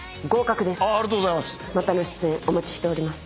またの出演お待ちしております。